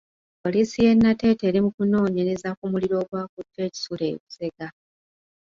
Poliisi y'e Nateete eri mu kunoonyereza ku muliro ogwakutte e kisulo e Busega.